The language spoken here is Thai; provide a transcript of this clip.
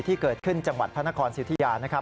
ที่เกิดขึ้นจังหวัดพระนครสิวทิยานะครับ